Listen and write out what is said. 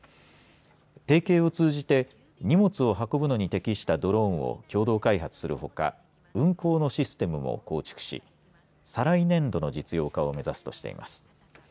提携を通じて荷物を運ぶのに適したドローンを共同開発するほか運航のシステムも構築し再来年度の実用化を目指すとしています。